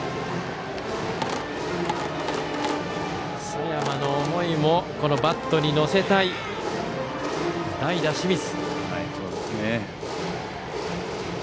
佐山の思いもバットに乗せたい代打、清水。